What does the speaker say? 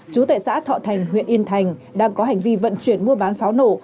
chú tại xã thọ thành huyện yên thành đang có hành vi vận chuyển mua bán pháo nổ